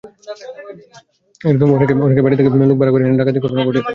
অনেকেই বাইরে থেকে লোক ভাড়া করে এনে ডাকাতির ঘটনা ঘটিয়ে থাকেন।